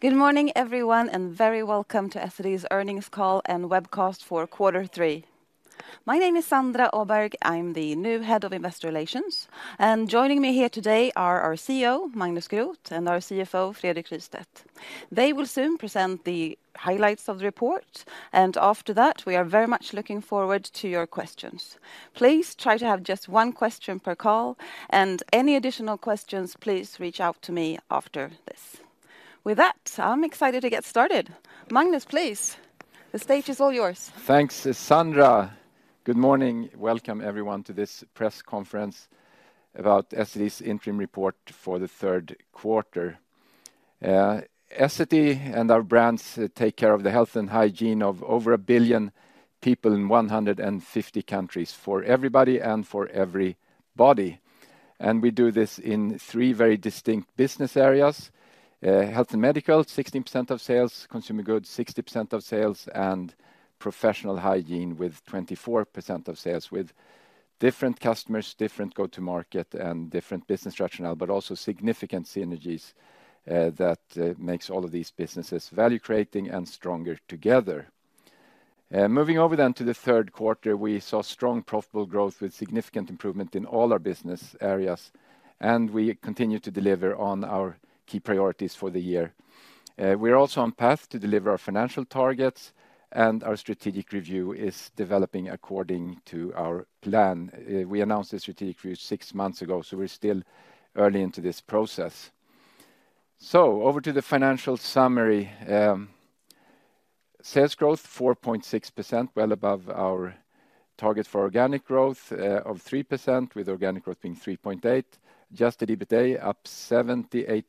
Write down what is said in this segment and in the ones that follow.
Good morning, everyone, and very welcome to Essity's earnings call and webcast for quarter three. My name is Sandra Åberg. I'm the new Head of Investor Relations, and joining me here today are our CEO, Magnus Groth, and our CFO, Fredrik Rystedt. They will soon present the highlights of the report, and after that, we are very much looking forward to your questions. Please try to have just one question per call, and any additional questions, please reach out to me after this. With that, I'm excited to get started. Magnus, please, the stage is all yours. Thanks, Sandra. Good morning. Welcome, everyone, to this press conference about Essity's interim report for the third quarter. Essity and our brands take care of the Health and Hygiene of over 1 billion people in 150 countries, for everybody and for every body. And we do this in three very distinct business areas: Health & Medical, 16% of sales; Consumer Goods, 60% of sales; and Professional Hygiene with 24% of sales, with different customers, different go-to-market, and different business rationale, but also significant synergies that makes all of these businesses value-creating and stronger together. Moving over then to the third quarter, we saw strong, profitable growth with significant improvement in all our business areas, and we continue to deliver on our key priorities for the year. We are also on path to deliver our financial targets, and our strategic review is developing according to our plan. We announced the strategic review six months ago, so we're still early into this process. So over to the financial summary. Sales growth, 4.6%, well above our target for organic growth of 3%, with organic growth being 3.8%. Adjusted EBITA up 78%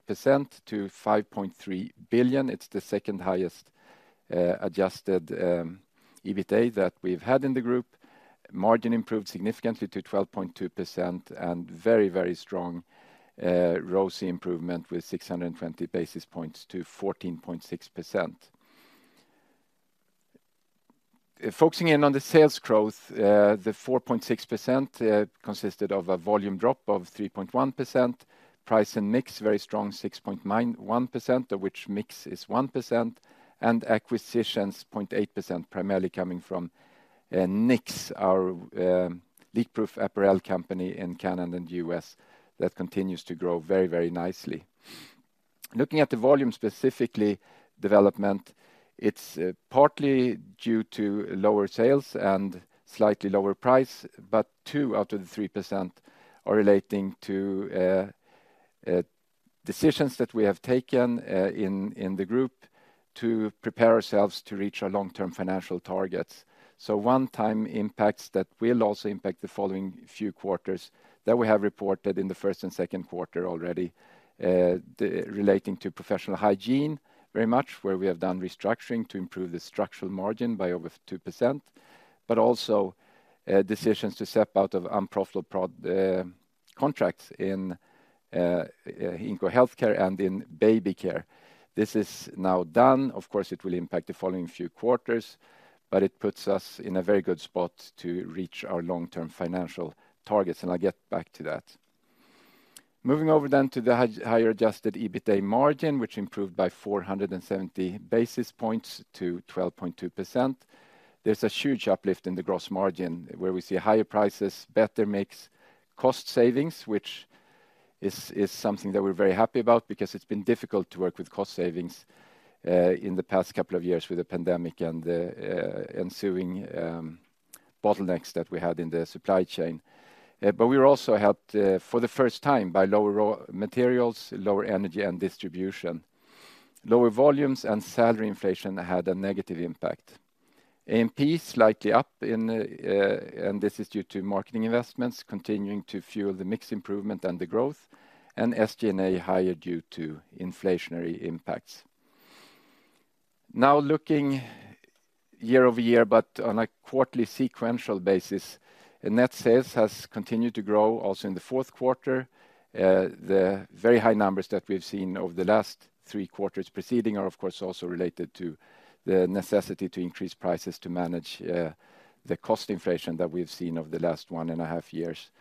to 5.3 billion. It's the second highest, adjusted EBITA that we've had in the group. Margin improved significantly to 12.2% and very, very strong, ROCE improvement with 620 basis points to 14.6%. Focusing in on the sales growth, the 4.6% consisted of a volume drop of 3.1%; price and mix, very strong, 6.91%, of which mix is 1%; and acquisitions, 0.8%, primarily coming from, Knix, our, leak-proof apparel company in Canada and the U.S., that continues to grow very, very nicely. Looking at the volume, specifically development, it's partly due to lower sales and slightly lower price, but two out of the 3% are relating to, decisions that we have taken, in the group to prepare ourselves to reach our long-term financial targets. So one-time impacts that will also impact the following few quarters that we have reported in the first and second quarter already, the relating to Professional Hygiene very much, where we have done restructuring to improve the structural margin by over 2%, but also, decisions to step out of unprofitable pro, contracts in, Inco Healthcare and in Baby Care. This is now done. Of course, it will impact the following few quarters, but it puts us in a very good spot to reach our long-term financial targets, and I'll get back to that. Moving over then to the higher adjusted EBITA margin, which improved by 400 basis points to 12.2%. There's a huge uplift in the gross margin, where we see higher prices, better mix, cost savings, which is something that we're very happy about because it's been difficult to work with cost savings in the past couple of years with the pandemic and the ensuing bottlenecks that we had in the supply chain. But we were also helped for the first time by lower raw materials, lower energy and distribution. Lower volumes and salary inflation had a negative impact. A&P, slightly up in and this is due to marketing investments continuing to fuel the mix improvement and the growth, and SG&A higher due to inflationary impacts. Now looking year over year, but on a quarterly sequential basis, net sales has continued to grow also in the fourth quarter. The very high numbers that we've seen over the last three quarters preceding are, of course, also related to the necessity to increase prices to manage the cost inflation that we've seen over the last one and a half years.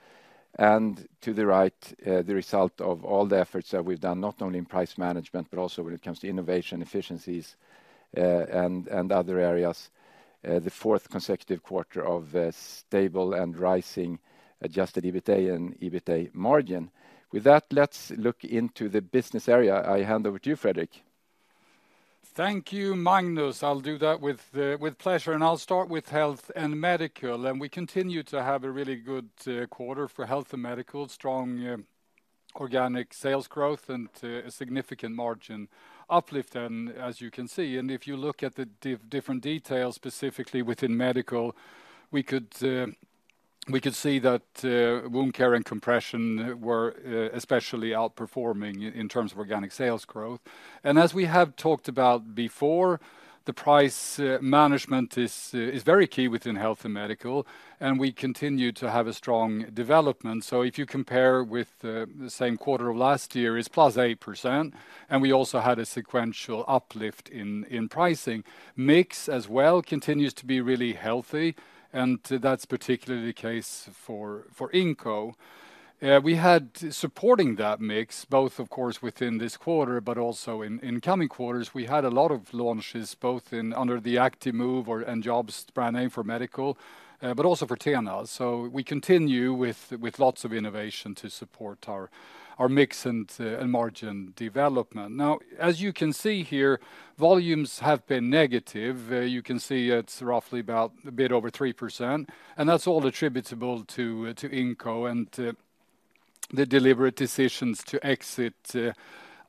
To the right, the result of all the efforts that we've done, not only in price management, but also when it comes to innovation, efficiencies, and other areas, the fourth consecutive quarter of stable and rising Adjusted EBITA and EBITA margin. With that, let's look into the business area. I hand over to you, Fredrik. Thank you, Magnus. I'll do that with pleasure, and I'll start with Health & Medical. We continue to have a really good quarter for Health & Medical. Strong organic sales growth and a significant margin uplift and, as you can see, if you look at the different details, specifically within medical, we could see that wound care and compression were especially outperforming in terms of organic sales growth. As we have talked about before, the price management is very key within Health & Medical, and we continue to have a strong development. So if you compare with the same quarter of last year, it's +8%, and we also had a sequential uplift in pricing. Mix as well continues to be really healthy, and that's particularly the case for Inco. We had, supporting that mix, both, of course, within this quarter, but also in coming quarters, we had a lot of launches, both under the Actimove or JOBST brand name for medical, but also for TENA. So we continue with lots of innovation to support our mix and margin development. Now, as you can see here, volumes have been negative. You can see it's roughly about a bit over 3%, and that's all attributable to Inco and to the deliberate decisions to exit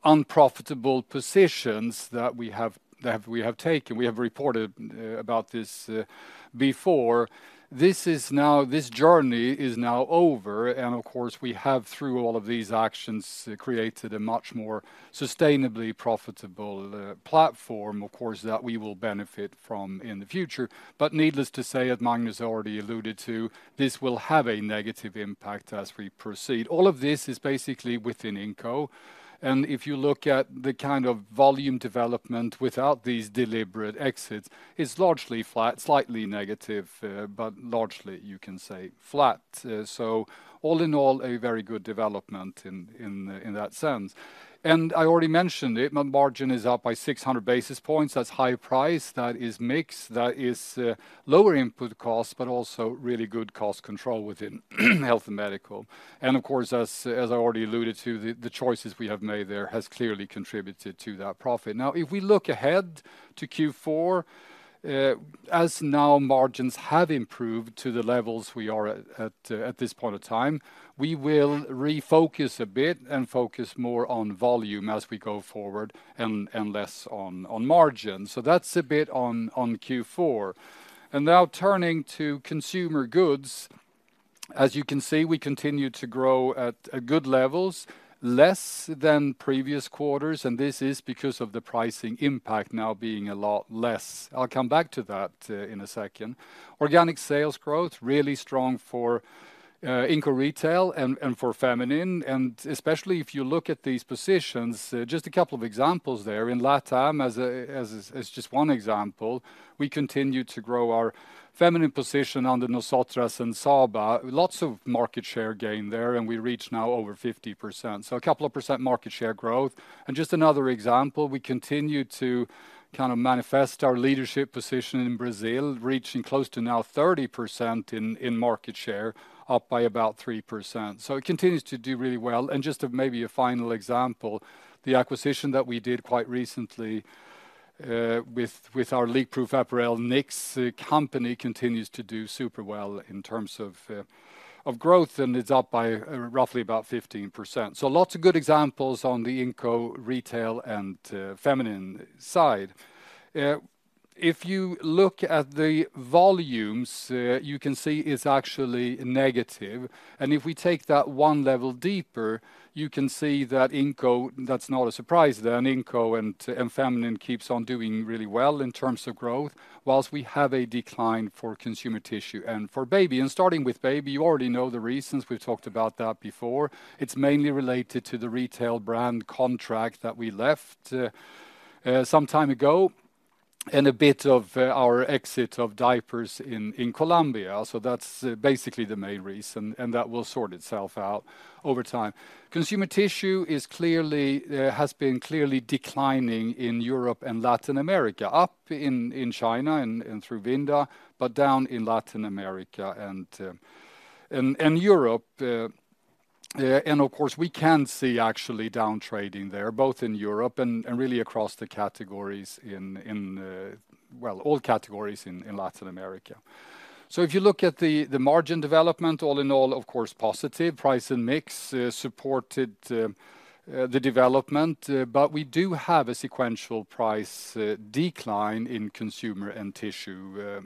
unprofitable positions that we have taken. We have reported about this before. This journey is now over, and of course, we have, through all of these actions, created a much more sustainably profitable platform, of course, that we will benefit from in the future. But needless to say, as Magnus already alluded to, this will have a negative impact as we proceed. All of this is basically within Inco, and if you look at the kind of volume development without these deliberate exits, it's largely flat, slightly negative, but largely you can say flat. So all in all, a very good development in that sense. And I already mentioned it, margin is up by 600 basis points. That's high price, that is mix, that is lower input cost, but also really good cost control within Health & Medical. Of course, as I already alluded to, the choices we have made there has clearly contributed to that profit. Now, if we look ahead to Q4, as now margins have improved to the levels we are at, at this point of time, we will refocus a bit and focus more on volume as we go forward and less on margin. So that's a bit on Q4. Now turning to Consumer Goods. As you can see, we continue to grow at good levels, less than previous quarters, and this is because of the pricing impact now being a lot less. I'll come back to that in a second. Organic sales growth, really strong for Inco Retail and for Feminine, and especially if you look at these positions, just a couple of examples there. In LatAm, as, as, as just one example, we continue to grow our feminine position under Nosotras and Saba. Lots of market share gain there, and we reach now over 50%, so a couple of percent market share growth. Just another example, we continue to kind of manifest our leadership position in Brazil, reaching close to now 30% in market share, up by about 3%. So it continues to do really well. Just maybe a final example, the acquisition that we did quite recently, with, with our leak-proof apparel, Knix, the company continues to do super well in terms of, of growth, and it's up by roughly about 15%. Lots of good examples on the Inco Retail and Feminine side. If you look at the volumes, you can see it's actually negative, and if we take that one level deeper, you can see that Inco, that's not a surprise then, Inco and Feminine keeps on doing really well in terms of growth, whilst we have a decline for Consumer Tissue and for Baby. And starting with Baby, you already know the reasons. We've talked about that before. It's mainly related to the retail brand contract that we left some time ago, and a bit of our exit of diapers in Colombia. So that's basically the main reason, and that will sort itself out over time. Consumer Tissue is clearly has been clearly declining in Europe and Latin America, up in China and through Vinda, but down in Latin America and Europe. And of course, we can see actually down trading there, both in Europe and really across the categories in all categories in Latin America. So if you look at the margin development, all in all, of course, positive. Price and mix supported the development, but we do have a sequential price decline in Consumer and Tissue,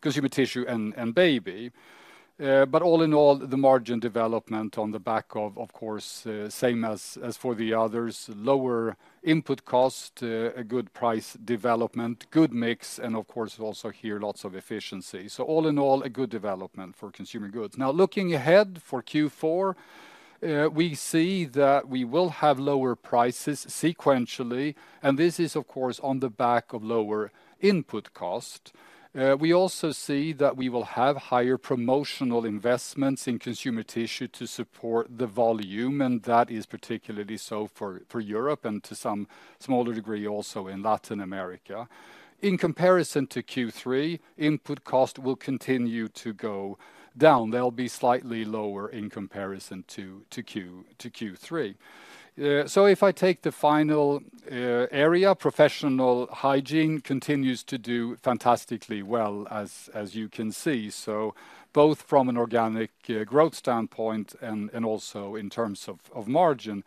Consumer Tissue and Baby. But all in all, the margin development on the back of, of course, same as for the others, lower input cost, a good price development, good mix, and of course, also here, lots of efficiency. So all in all, a good development for Consumer Goods. Now, looking ahead for Q4, we see that we will have lower prices sequentially, and this is, of course, on the back of lower input cost. We also see that we will have higher promotional investments in Consumer Tissue to support the volume, and that is particularly so for Europe and to some smaller degree, also in Latin America. In comparison to Q3, input cost will continue to go down. They'll be slightly lower in comparison to Q3. So if I take the final area, Professional Hygiene continues to do fantastically well, as you can see, so both from an organic growth standpoint and also in terms of margin.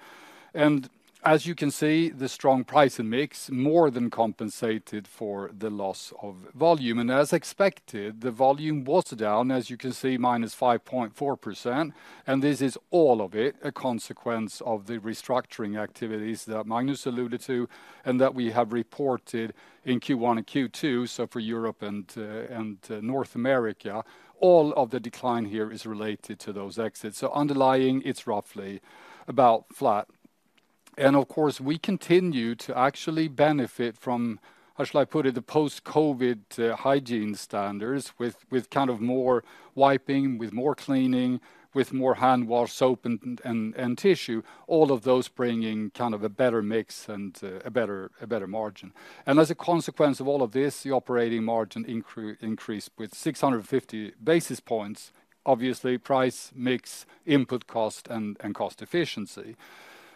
And as you can see, the strong price and mix more than compensated for the loss of volume. As expected, the volume was down, as you can see, -5.4%, and this is all of it, a consequence of the restructuring activities that Magnus alluded to and that we have reported in Q1 and Q2. So for Europe and North America, all of the decline here is related to those exits. So underlying, it's roughly about flat. Of course, we continue to actually benefit from, how shall I put it? The post-COVID hygiene standards with kind of more wiping, with more cleaning, with more hand wash soap and tissue, all of those bringing kind of a better mix and a better margin. And as a consequence of all of this, the operating margin increased with 650 basis points. Obviously, price, mix, input cost, and cost efficiency.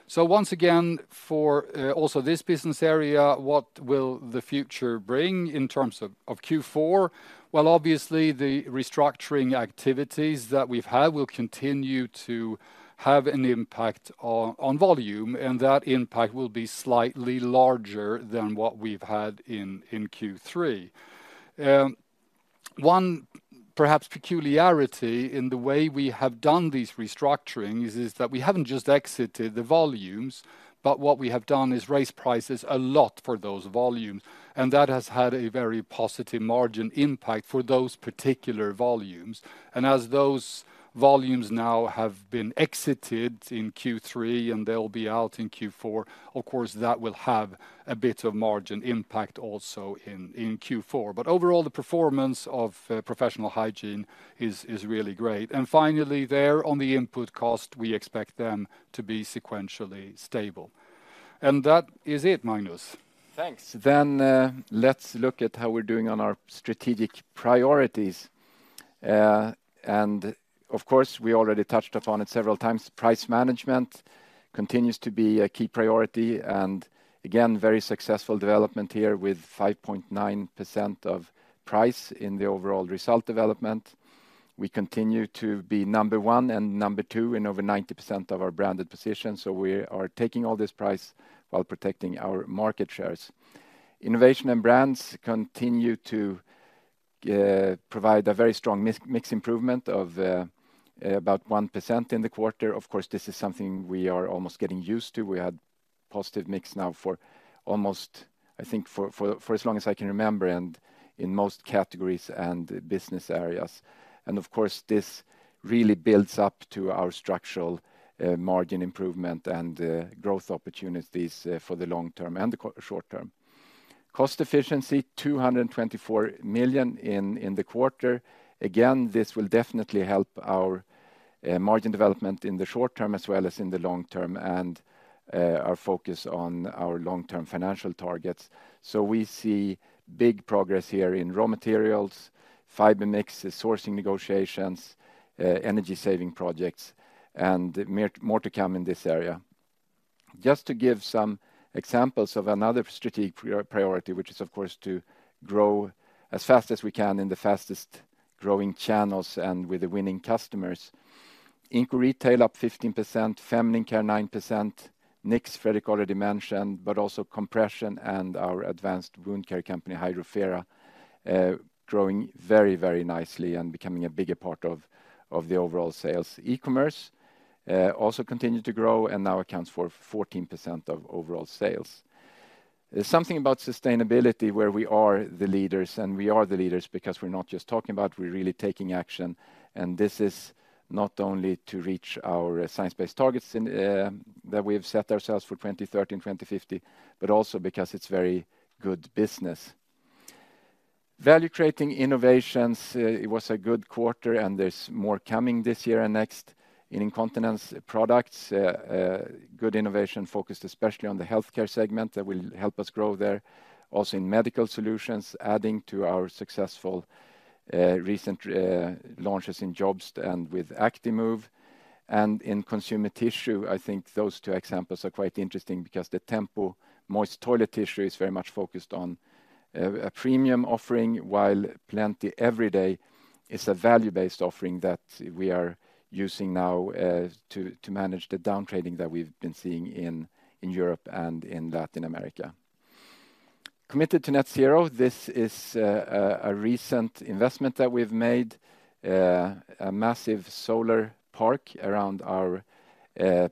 So once again, for also this business area, what will the future bring in terms of Q4? Well, obviously, the restructuring activities that we've had will continue to have an impact on volume, and that impact will be slightly larger than what we've had in Q3. One perhaps peculiarity in the way we have done these restructurings is that we haven't just exited the volumes, but what we have done is raise prices a lot for those volumes, and that has had a very positive margin impact for those particular volumes. As those volumes now have been exited in Q3, and they'll be out in Q4, of course, that will have a bit of margin impact also in Q4. Overall, the performance of Professional Hygiene is really great. Finally, there on the input cost, we expect them to be sequentially stable. That is it, Magnus. Thanks. Then, let's look at how we're doing on our strategic priorities. And of course, we already touched upon it several times. Price management continues to be a key priority, and again, very successful development here with 5.9% of price in the overall result development. We continue to be number one and number two in over 90% of our branded positions, so we are taking all this price while protecting our market shares. Innovation and brands continue to provide a very strong mix improvement of about 1% in the quarter. Of course, this is something we are almost getting used to. We had positive mix now for almost, I think, for as long as I can remember, and in most categories and business areas. Of course, this really builds up to our structural margin improvement and growth opportunities for the long-term and the short-term. Cost efficiency, 224 million in the quarter. Again, this will definitely help our margin development in the short-term as well as in the long-term, and our focus on our long-term financial targets. So we see big progress here in raw materials, fiber mix, sourcing negotiations, energy-saving projects, and more to come in this area. Just to give some examples of another strategic priority, which is, of course, to grow as fast as we can in the fastest-growing channels and with the winning customers. Inco Retail, up 15%; Feminine Care, 9%; Knix, Fredrik already mentioned, but also Compression and our advanced wound care company, Hydrofera, growing very, very nicely and becoming a bigger part of the overall sales. E-commerce also continued to grow and now accounts for 14% of overall sales. There's something about sustainability, where we are the leaders, and we are the leaders because we're not just talking about, we're really taking action. And this is not only to reach our science-based targets that we have set ourselves for 2030 and 2050, but also because it's very good business. Value-creating innovations, it was a good quarter, and there's more coming this year and next. In incontinence products, good innovation focused especially on the healthcare segment that will help us grow there. Also, in medical solutions, adding to our successful recent launches in JOBST and with Actimove. And in Consumer Tissue, I think those two examples are quite interesting because the Tempo moist toilet tissue is very much focused on a premium offering, while Plenty Everyday is a value-based offering that we are using now to manage the downtrading that we've been seeing in Europe and in Latin America. Committed to net zero, this is a recent investment that we've made, a massive solar park around our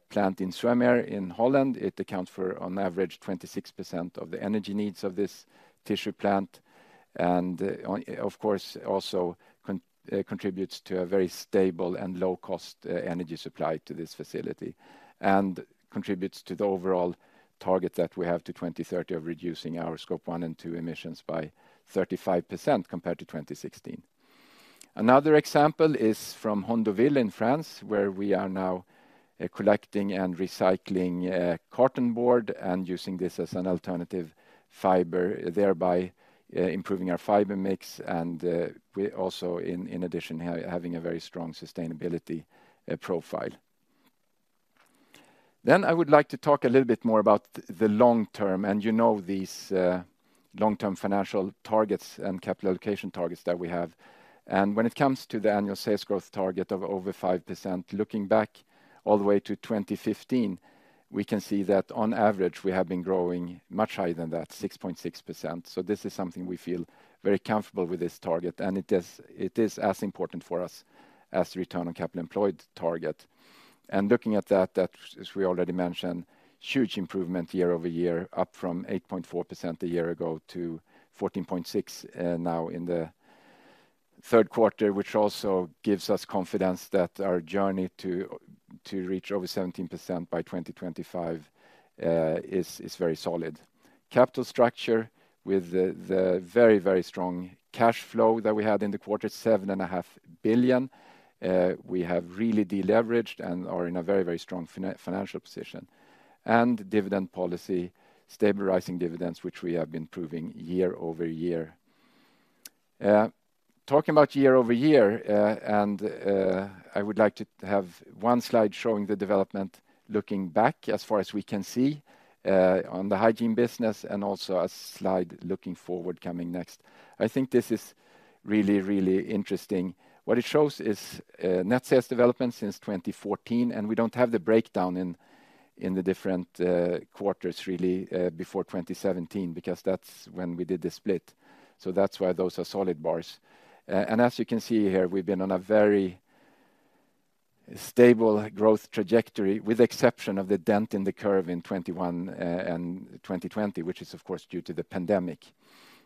plant in Zwammerdam in Holland. It accounts for, on average, 26% of the energy needs of this tissue plant, and of course, also contributes to a very stable and low-cost energy supply to this facility. Contributes to the overall target that we have to 2030 of reducing our Scope 1 and 2 emissions by 35% compared to 2016. Another example is from Hondainville in France, where we are now collecting and recycling carton board and using this as an alternative fiber, thereby improving our fiber mix and we also in addition having a very strong sustainability profile. I would like to talk a little bit more about the long-term, and you know, these long-term financial targets and capital allocation targets that we have. When it comes to the annual sales growth target of over 5%, looking back all the way to 2015, we can see that on average, we have been growing much higher than that, 6.6%. So this is something we feel very comfortable with this target, and it is, it is as important for us as the return on capital employed target. And looking at that, as we already mentioned, huge improvement year-over-year, up from 8.4% a year ago to 14.6%, now in the third quarter, which also gives us confidence that our journey to reach over 17% by 2025 is very solid. Capital structure with the very, very strong cash flow that we had in the quarter, 7.5 billion. We have really deleveraged and are in a very, very strong financial position. And dividend policy, stabilizing dividends, which we have been proving year-over-year. Talking about year-over-year, and I would like to have one slide showing the development, looking back as far as we can see, on the hygiene business, and also a slide looking forward, coming next. I think this is really, really interesting. What it shows is net sales development since 2014, and we don't have the breakdown in the different quarters really before 2017, because that's when we did the split. So that's why those are solid bars. And as you can see here, we've been on a very stable growth trajectory, with exception of the dent in the curve in 2021 and 2020, which is, of course, due to the pandemic.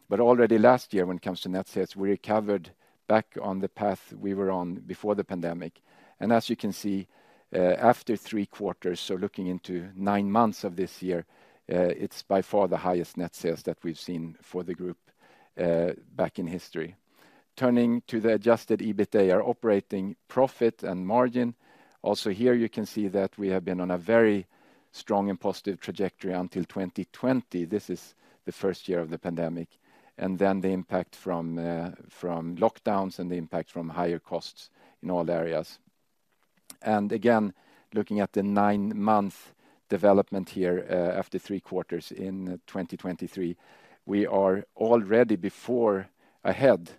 But already last year, when it comes to net sales, we recovered back on the path we were on before the pandemic. As you can see, after three quarters, so looking into nine months of this year, it's by far the highest net sales that we've seen for the group, back in history. Turning to the adjusted EBITA, our operating profit and margin. Also here, you can see that we have been on a very strong and positive trajectory until 2020. This is the first year of the pandemic, and then the impact from lockdowns and the impact from higher costs in all areas. And again, looking at the nine-month development here, after three quarters in 2023, we are already before ahead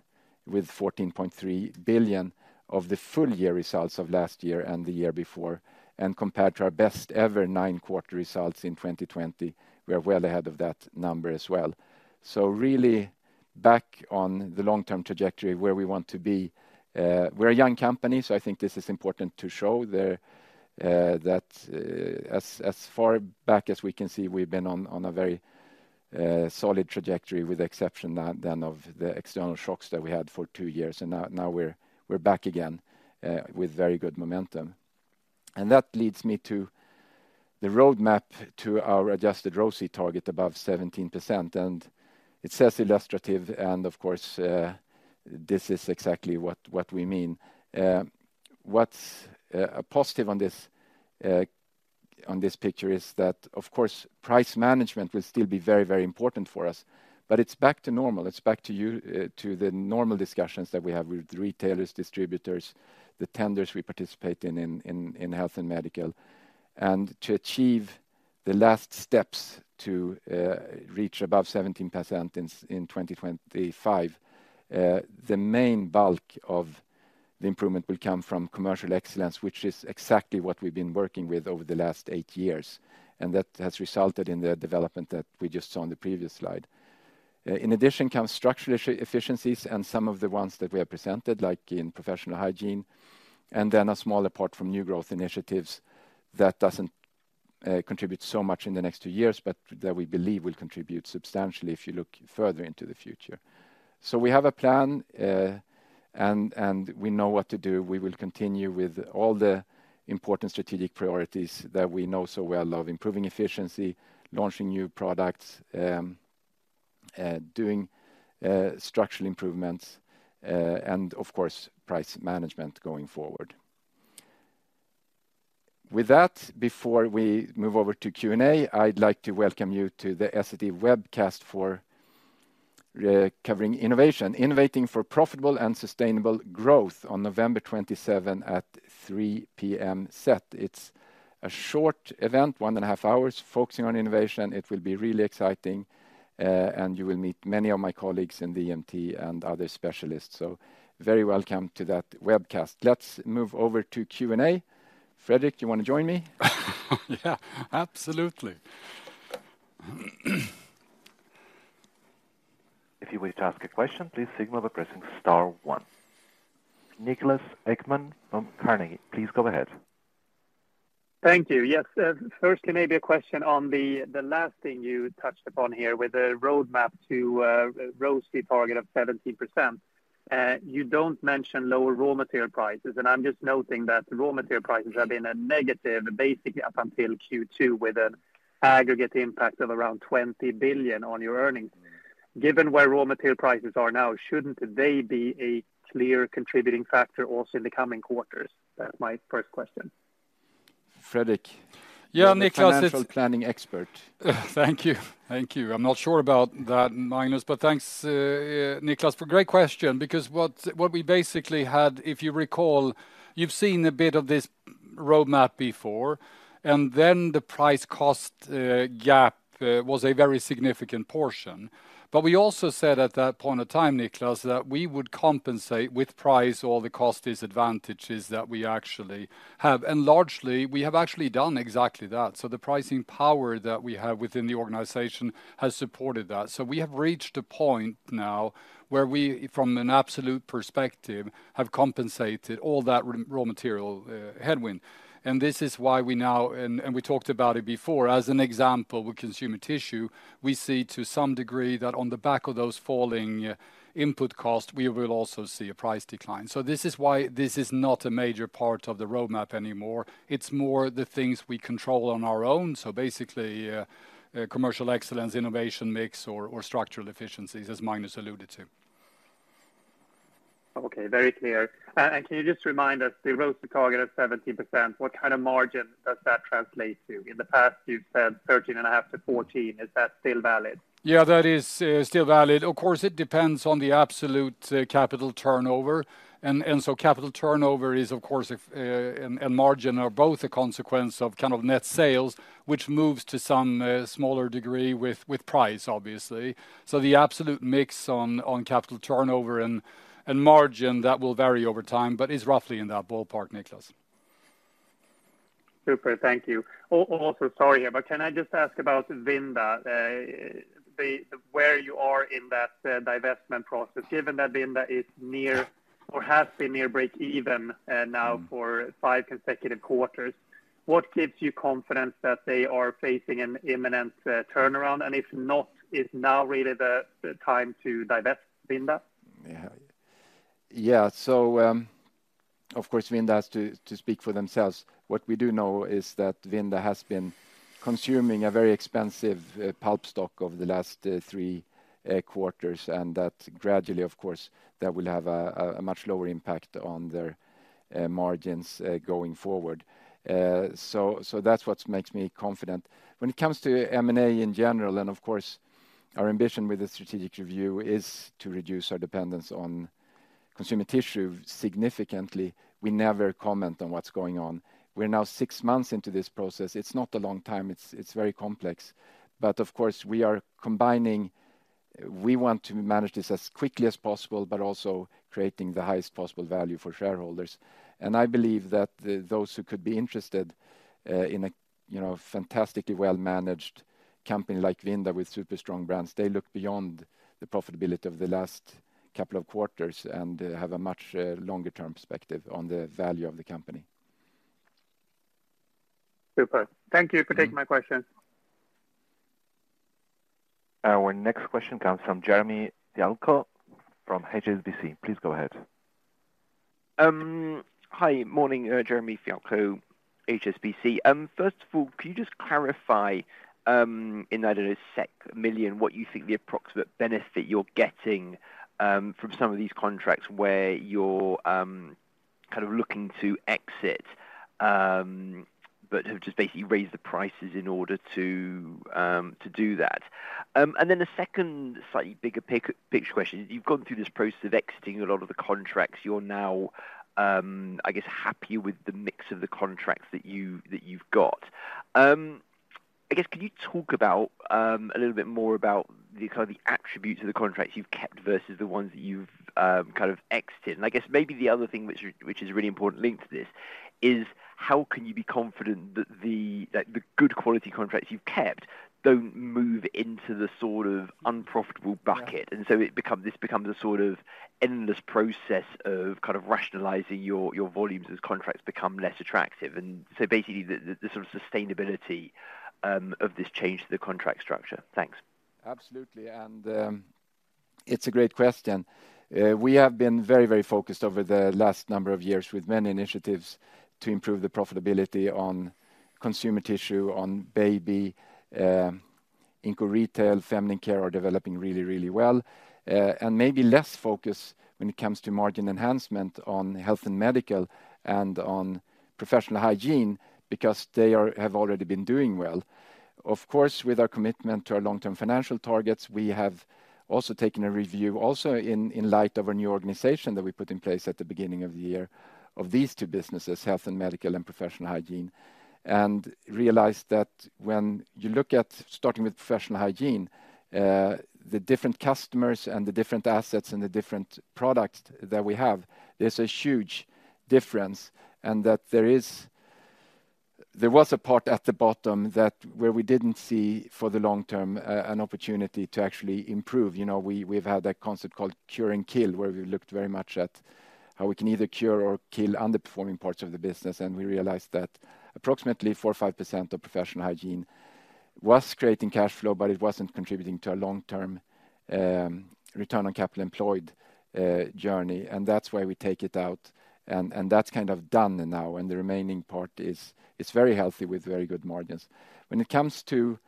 with 14.3 billion of the full year results of last year and the year before. And compared to our best ever nine-quarter results in 2020, we are well ahead of that number as well. So really back on the long-term trajectory where we want to be. We're a young company, so I think this is important to show there that as far back as we can see, we've been on a very solid trajectory, with the exception then of the external shocks that we had for two years. And now we're back again with very good momentum. And that leads me to the roadmap to our adjusted ROCE target above 17%, and it says illustrative, and of course this is exactly what we mean. What's a positive on this picture is that, of course, price management will still be very, very important for us, but it's back to normal. It's back to you, to the normal discussions that we have with retailers, distributors, the tenders we participate in, in Health & Medical. To achieve the last steps to reach above 17% in 2025, the main bulk of the improvement will come from commercial excellence, which is exactly what we've been working with over the last 8 years, and that has resulted in the development that we just saw on the previous slide. In addition, comes structural efficiencies and some of the ones that we have presented, like in Professional Hygiene, and then a small part from new growth initiatives that doesn't contribute so much in the next two years, but that we believe will contribute substantially if you look further into the future. So we have a plan, and we know what to do. We will continue with all the important strategic priorities that we know so well of improving efficiency, launching new products, doing structural improvements, and of course, price management going forward. With that, before we move over to Q&A, I'd like to welcome you to the Essity webcast for covering innovation, Innovating for Profitable and Sustainable Growth on November 27 at 3:00 P.M. CET. It's a short event, one and a half hours, focusing on innovation. It will be really exciting, and you will meet many of my colleagues in the MT and other specialists. So very welcome to that webcast. Let's move over to Q&A. Fredrik, you want to join me? Yeah, absolutely. If you wish to ask a question, please signal by pressing star one. Niklas Ekman from Carnegie, please go ahead. Thank you. Yes. Firstly, maybe a question on the last thing you touched upon here with the roadmap to ROCE target of 17%. You don't mention lower raw material prices, and I'm just noting that raw material prices have been a negative, basically up until Q2, with an aggregate impact of around 20 billion on your earnings. Given where raw material prices are now, shouldn't they be a clear contributing factor also in the coming quarters? That's my first question. Fredrik- Yeah, Niklas, it's- You're the financial planning expert. Thank you. Thank you. I'm not sure about that, Magnus, but thanks, Niklas, for great question, because what, what we basically had, if you recall, you've seen a bit of this roadmap before, and then the price-cost gap was a very significant portion. But we also said at that point of time, Niklas, that we would compensate with price all the cost disadvantages that we actually have, and largely, we have actually done exactly that. So the pricing power that we have within the organization has supported that. So we have reached a point now where we, from an absolute perspective, have compensated all that raw material headwind. And this is why we now... and we talked about it before, as an example, with Consumer Tissue, we see to some degree that on the back of those falling input costs, we will also see a price decline. So this is why this is not a major part of the roadmap anymore. It's more the things we control on our own, so basically commercial excellence, innovation, mix, or structural efficiencies, as Magnus alluded to. Okay, very clear. And can you just remind us, the ROCE target is 70%, what kind of margin does that translate to? In the past, you've said 13.5-14. Is that still valid? Yeah, that is still valid. Of course, it depends on the absolute Capital Turnover. And so Capital Turnover is, of course, a and margin are both a consequence of kind of net sales, which moves to some smaller degree with price, obviously. So the absolute mix on Capital Turnover and margin, that will vary over time, but is roughly in that ballpark, Niklas. Super. Thank you. Also, sorry, but can I just ask about Vinda? Where you are in that divestment process, given that Vinda is near or has been near break even now for five consecutive quarters. What gives you confidence that they are facing an imminent turnaround? And if not, is now really the time to divest Vinda? Yeah. Yeah, so, of course, Vinda has to speak for themselves. What we do know is that Vinda has been consuming a very expensive pulp stock over the last three quarters, and that gradually, of course, that will have a much lower impact on their margins going forward. So that's what makes me confident. When it comes to M&A in general, and of course, our ambition with the strategic review is to reduce our dependence on Consumer Tissue significantly, we never comment on what's going on. We're now six months into this process. It's not a long time, it's very complex. But of course, we are combining... We want to manage this as quickly as possible, but also creating the highest possible value for shareholders. I believe that those who could be interested, you know, in a fantastically well-managed company like Vinda, with super strong brands, they look beyond the profitability of the last couple of quarters and have a much longer-term perspective on the value of the company. Super. Thank you for taking my question. Our next question comes from Jeremy Fialko from HSBC. Please go ahead. Hi. Morning, Jeremy Fialko, HSBC. First of all, can you just clarify, in, I don't know, million, what you think the approximate benefit you're getting from some of these contracts where you're kind of looking to exit, but have just basically raised the prices in order to to do that? And then the second, slightly bigger picture question, you've gone through this process of exiting a lot of the contracts. You're now, I guess, happy with the mix of the contracts that you, that you've got. I guess, can you talk about a little bit more about the kind of the attributes of the contracts you've kept versus the ones that you've kind of exited? I guess maybe the other thing which is a really important link to this is: how can you be confident that the, like, the good quality contracts you've kept don't move into the sort of unprofitable bucket? And so this becomes a sort of endless process of kind of rationalizing your volumes as contracts become less attractive. And so basically, the sort of sustainability of this change to the contract structure. Thanks. Absolutely. It's a great question. We have been very, very focused over the last number of years with many initiatives to improve the profitability on Consumer Tissue, on Baby, in Inco Retail. Feminine Care are developing really, really well, and maybe less focus when it comes to margin enhancement on Health & Medical and on Professional Hygiene, because they have already been doing well. Of course, with our commitment to our long-term financial targets, we have also taken a review, also in light of our new organization that we put in place at the beginning of the year, of these two businesses, Health & Medical and Professional Hygiene. And realized that when you look at, starting with Professional Hygiene, the different customers and the different assets and the different products that we have, there's a huge difference, and that there is... There was a part at the bottom that, where we didn't see, for the long-term, an opportunity to actually improve. You know, we, we've had a concept called cure and kill, where we looked very much at how we can either cure or kill underperforming parts of the business, and we realized that approximately 4% or 5% of Professional Hygiene was creating cash flow, but it wasn't contributing to a long-term return on capital employed journey, and that's why we take it out. And that's kind of done now, and the remaining part is very healthy with very good margins. When it comes to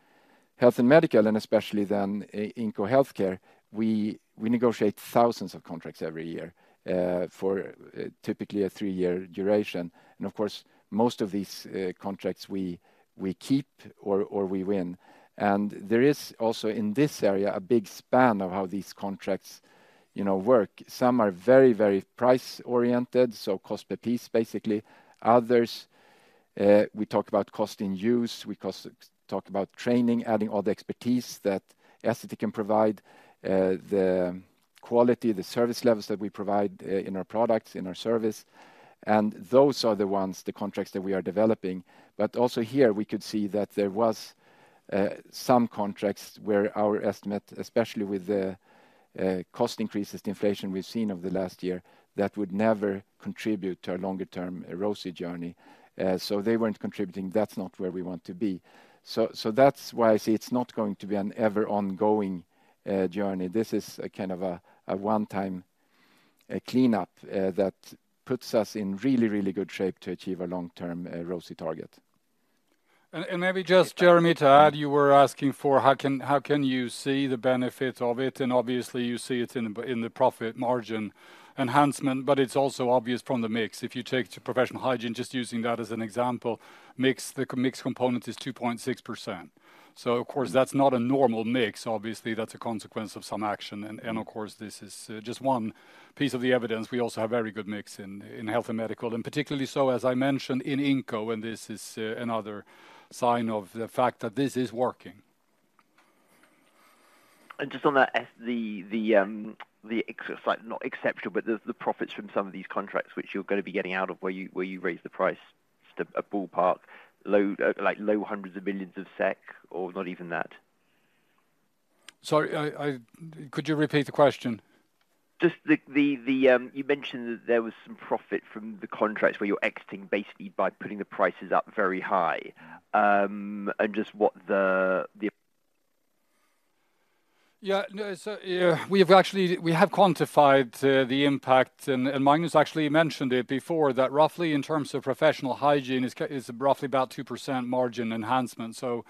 Health & Medical, and especially then in Inco healthcare, we negotiate thousands of contracts every year, for typically a three-year duration. And of course, most of these contracts we keep or we win. And there is also, in this area, a big span of how these contracts, you know, work. Some are very, very price-oriented, so cost per piece, basically. Others, we talk about cost in use, we talk about training, adding all the expertise that Essity can provide, the quality, the service levels that we provide, in our products, in our service. And those are the ones, the contracts that we are developing. But also here, we could see that there was some contracts where our estimate, especially with the cost increases, the inflation we've seen over the last year, that would never contribute to a longer-term ROCE journey. So they weren't contributing. That's not where we want to be. So, that's why I say it's not going to be an ever-ongoing journey. This is a kind of a one-time cleanup that puts us in really, really good shape to achieve our long-term ROCE target. And maybe just Jeremy, to add, you were asking for how can you see the benefit of it? And obviously, you see it in the profit margin enhancement, but it's also obvious from the mix. If you take to Professional Hygiene, just using that as an example, mix, the mix component is 2.6%. So of course, that's not a normal mix. Obviously, that's a consequence of some action. And of course, this is just one piece of the evidence. We also have very good mix in Health & Medical, and particularly so, as I mentioned, in Inco, and this is another sign of the fact that this is working. And just on that, as the exceptional, it's like not exceptional, but the profits from some of these contracts, which you're gonna be getting out of, where you raised the price, just a ballpark, low, like low hundreds of millions of SEK or not even that? Sorry... Could you repeat the question? You mentioned that there was some profit from the contracts where you're exiting basically by putting the prices up very high. And just what the Yeah, no, so, yeah, we have actually quantified the impact, and Magnus actually mentioned it before, that roughly in terms of Professional Hygiene, it's roughly about 2% margin enhancement. So,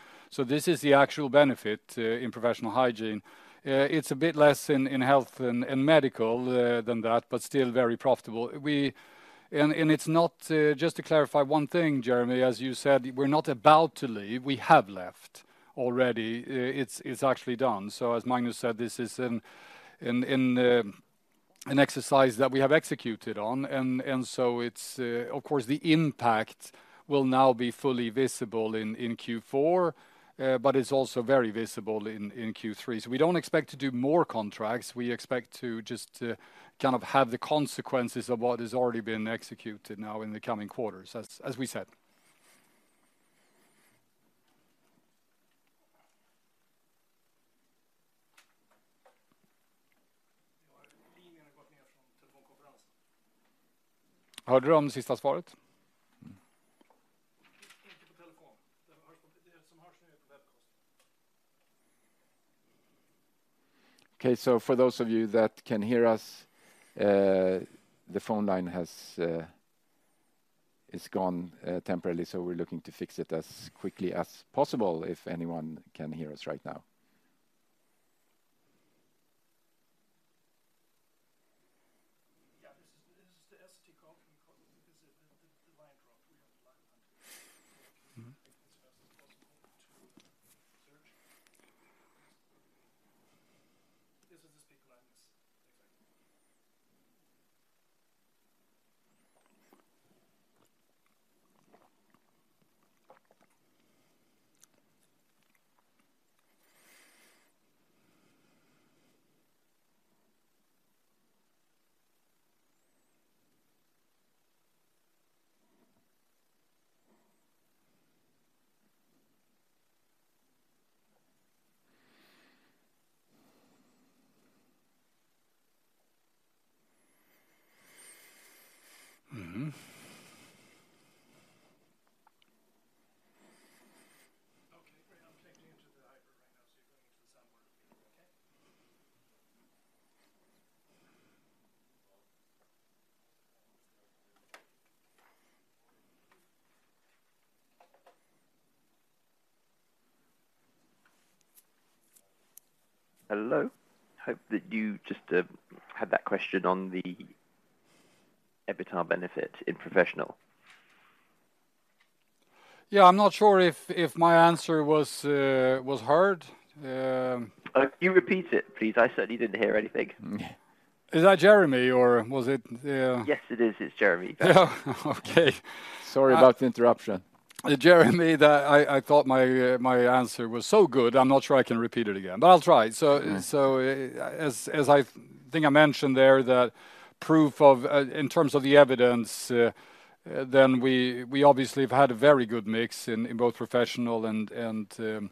this is the actual benefit in Professional Hygiene. It's a bit less in Health & Medical than that, but still very profitable. And it's not... Just to clarify one thing, Jeremy, as you said, we're not about to leave. We have left already. It's actually done. So as Magnus said, this is an exercise that we have executed on, and so it's of course the impact will now be fully visible in Q4, but it's also very visible in Q3. So we don't expect to do more contracts. We expect to just kind of have the consequences of what has already been executed now in the coming quarters, as we said. Okay, so for those of you that can hear us, the phone line has gone temporarily, so we're looking to fix it as quickly as possible, if anyone can hear us right now. Yeah, this is the Essity call. Because the line dropped. We have line as fast as possible to search. This is the speaker line. Yes, exactly. Mm-hmm. Okay, I'm connecting into the hybrid right now, so you're going into the sound board, okay? Hello. Hope that you just had that question on the EBITA benefit in professional. Yeah, I'm not sure if my answer was heard. Can you repeat it, please? I certainly didn't hear anything. Is that Jeremy, or was it- Yes, it is. It's Jeremy. Yeah. Okay. Sorry about the interruption. Jeremy, I thought my answer was so good. I'm not sure I can repeat it again, but I'll try. Mm. So, as I think I mentioned there, that proof of, in terms of the evidence, then we obviously have had a very good mix in both Professional and in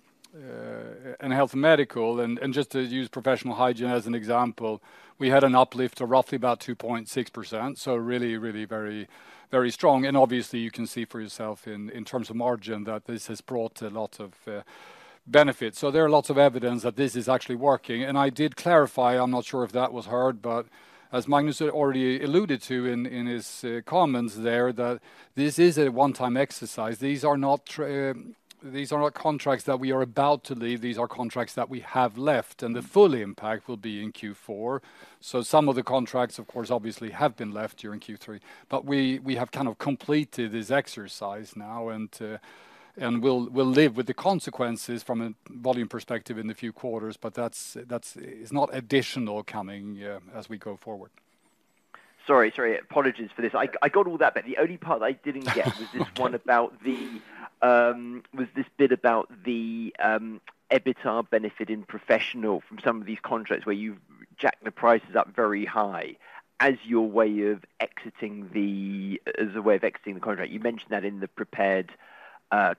Health & Medical. And just to use Professional Hygiene as an example, we had an uplift of roughly about 2.6%, so really, really very, very strong. And obviously, you can see for yourself in terms of margin that this has brought a lot of benefits. So there are lots of evidence that this is actually working. And I did clarify. I'm not sure if that was heard, but as Magnus already alluded to in his comments there, that this is a one-time exercise. These are not contracts that we are about to leave. These are contracts that we have left, and the full impact will be in Q4. So some of the contracts, of course, obviously, have been left during Q3, but we have kind of completed this exercise now, and and we'll live with the consequences from a volume perspective in a few quarters, but that's, it's not additional coming, as we go forward. Sorry, sorry, apologies for this. I, I got all that, but the only part I didn't get- Okay was this one about the, was this bit about the, EBITA benefit in Professional from some of these contracts where you've jacked the prices up very high as your way of exiting the, as a way of exiting the contract. You mentioned that in the prepared,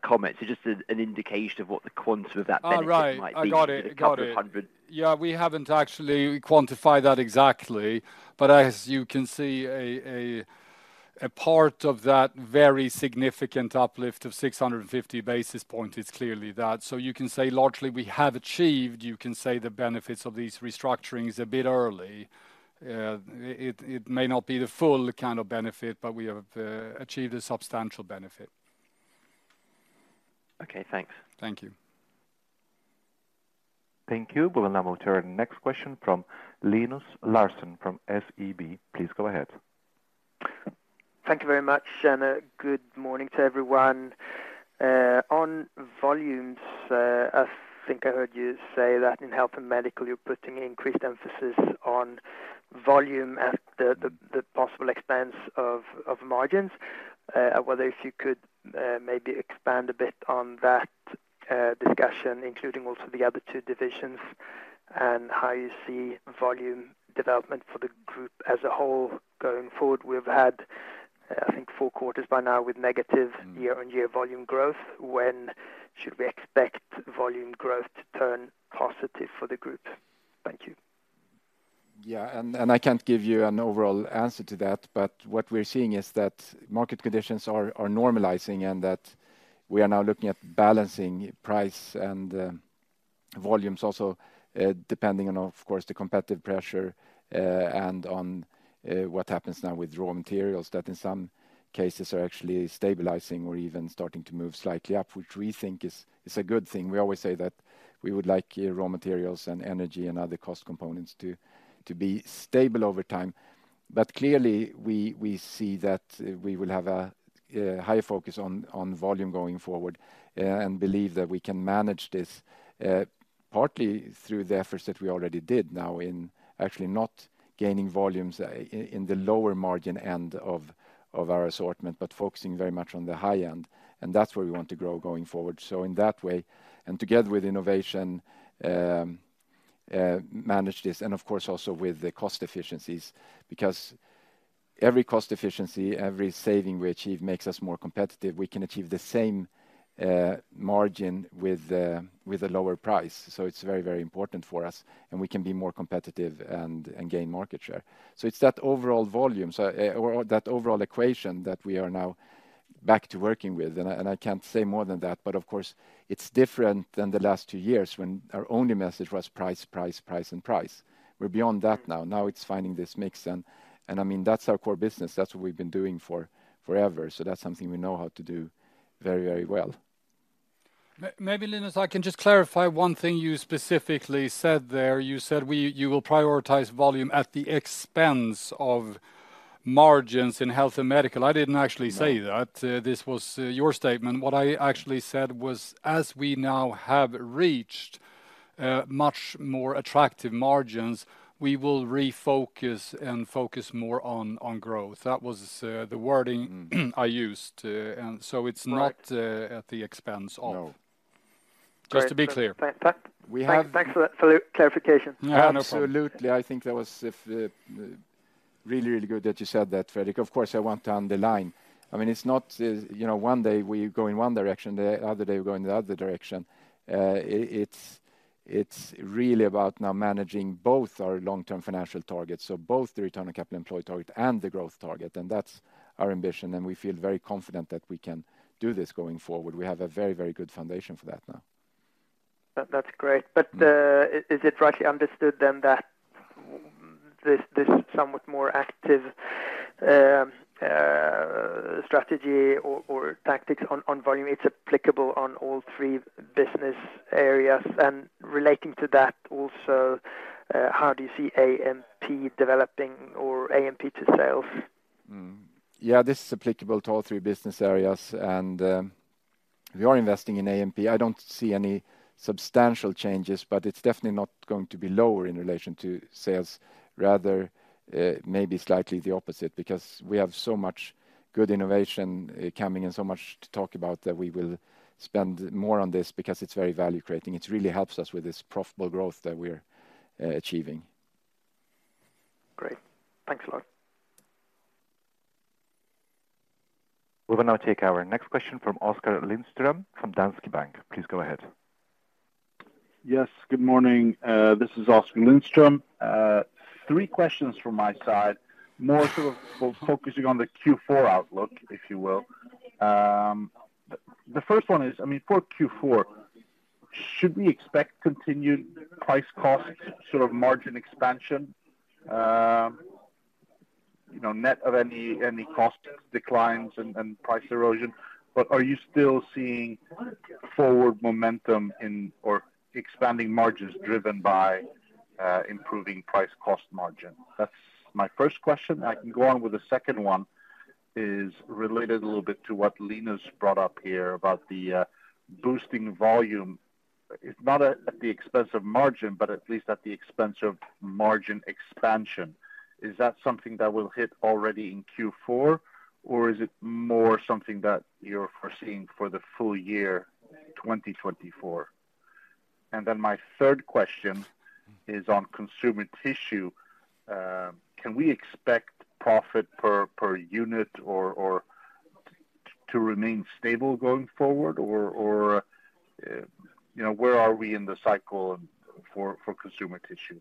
comments. So just an indication of what the quantum of that benefit might be? Oh, right. I got it. a couple of hundred. Got it. Yeah, we haven't actually quantified that exactly, but as you can see, a part of that very significant uplift of 650 basis point is clearly that. So you can say largely we have achieved, you can say the benefits of these restructurings a bit early. It may not be the full kind of benefit, but we have achieved a substantial benefit. Okay, thanks. Thank you. Thank you. We will now move to our next question from Linus Larsson from SEB. Please go ahead. Thank you very much, and good morning to everyone. On volumes, I think I heard you say that in Health & Medical, you're putting increased emphasis on volume at the possible expense of margins. I wonder if you could maybe expand a bit on that discussion, including also the other two divisions, and how you see volume development for the group as a whole going forward? We've had, I think, four quarters by now with negative year-on-year volume growth. When should we expect volume growth to turn positive for the group? Thank you. Yeah, and I can't give you an overall answer to that, but what we're seeing is that market conditions are normalizing, and that we are now looking at balancing price and volumes also, depending on, of course, the competitive pressure, and on what happens now with raw materials, that in some cases are actually stabilizing or even starting to move slightly up, which we think is a good thing. We always say that we would like raw materials and energy and other cost components to be stable over time. But clearly, we see that we will have a higher focus on volume going forward, and believe that we can manage this partly through the efforts that we already did now in actually not gaining volumes in the lower margin end of our assortment, but focusing very much on the high end, and that's where we want to grow going forward. So in that way, and together with innovation, manage this, and of course, also with the cost efficiencies, because every cost efficiency, every saving we achieve makes us more competitive. We can achieve the same margin with a lower price. So it's very, very important for us, and we can be more competitive and gain market share. So it's that overall volume, so... or that overall equation that we are now back to working with, and I can't say more than that, but of course, it's different than the last two years when our only message was price, price, price, and price. We're beyond that now. Now, it's finding this mix, and I mean, that's our core business. That's what we've been doing for forever, so that's something we know how to do very, very well. Maybe, Linus, I can just clarify one thing you specifically said there. You said you will prioritize volume at the expense of margins in Health & Medical. I didn't actually say that. No. This was your statement. What I actually said was, as we now have reached much more attractive margins, we will refocus and focus more on growth. That was the wording- Mm. I used, and so it's not- Right at the expense of. No. Just to be clear. Right. We have- Thanks for that, for the clarification. Yeah, no problem. Absolutely. I think that was really, really good that you said that, Fredrik. Of course, I want to underline. I mean, it's not, you know, one day we go in one direction, the other day we go in the other direction. It's really about now managing both our long-term financial targets, so both the return on capital employed target and the growth target, and that's our ambition, and we feel very confident that we can do this going forward. We have a very, very good foundation for that now. That, that's great. Mm. But, is it rightly understood then that this somewhat more active strategy or tactics on volume, it's applicable on all three business areas? And relating to that also, how do you see A&P developing or A&P to sales? Mm. Yeah, this is applicable to all three business areas, and we are investing in A&P. I don't see any substantial changes, but it's definitely not going to be lower in relation to sales. Rather, maybe slightly the opposite, because we have so much good innovation coming and so much to talk about, that we will spend more on this because it's very value-creating. It really helps us with this profitable growth that we're achieving. Great. Thanks a lot. We will now take our next question from Oskar Lindström, from Danske Bank. Please go ahead. Yes, good morning. This is Oskar Lindström. Three questions from my side, more sort of focusing on the Q4 outlook, if you will. The first one is, I mean, for Q4, should we expect continued price costs, sort of margin expansion, you know, net of any cost declines and price erosion? But are you still seeing forward momentum in or expanding margins driven by improving price-cost margin? That's my first question. I can go on with the second one, is related a little bit to what Linus brought up here about the boosting volume. It's not at the expense of margin, but at least at the expense of margin expansion. Is that something that will hit already in Q4, or is it more something that you're foreseeing for the full year 2024? My third question is on Consumer Tissue. Can we expect profit per unit or you know where are we in the cycle for Consumer Tissue?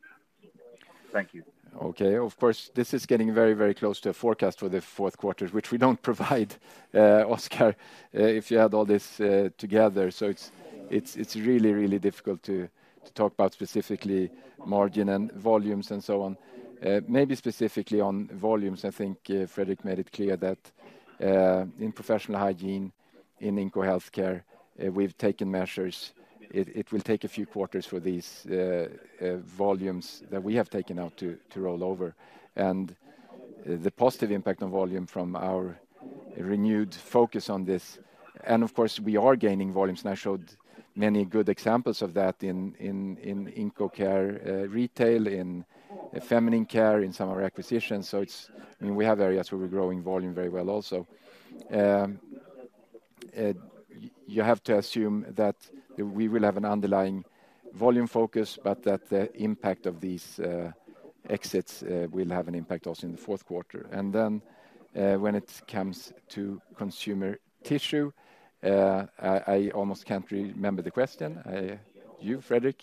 Thank you. Okay. Of course, this is getting very, very close to a forecast for the fourth quarter, which we don't provide, Oskar, if you add all this together. So it's, it's, it's really, really difficult to talk about specifically margin and volumes and so on. Maybe specifically on volumes, I think, Fredrik made it clear that in Professional Hygiene, in Inco Healthcare, we've taken measures. It will take a few quarters for these volumes that we have taken out to roll over. And the positive impact on volume from our renewed focus on this, and of course, we are gaining volumes, and I showed many good examples of that in Inco Care, Retail, in Feminine Care, in some of our acquisitions. So, it's, I mean, we have areas where we're growing volume very well also. You have to assume that we will have an underlying volume focus, but that the impact of these exits will have an impact also in the fourth quarter. And then, when it comes to Consumer Tissue, I almost can't remember the question. You, Fredrik?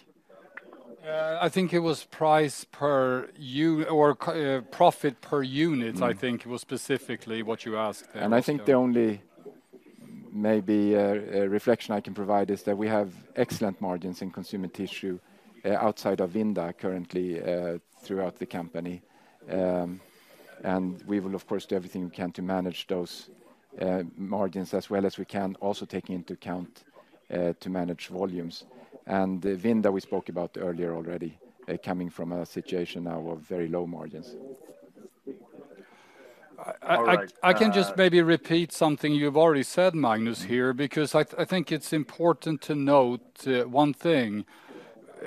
I think it was price per unit or profit per unit. Mm-hmm I think was specifically what you asked, Oskar. I think the only maybe reflection I can provide is that we have excellent margins in Consumer Tissue outside of Vinda currently throughout the company. We will, of course, do everything we can to manage those margins as well as we can, also taking into account to manage volumes. Vinda, we spoke about earlier already, coming from a situation now of very low margins. I, I, I- All right, I can just maybe repeat something you've already said, Magnus, here, because I think it's important to note one thing.